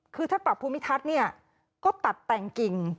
คือถ้าปรับภูมิทัศน์เนี่ยก็ตัดแต่งกิ่ง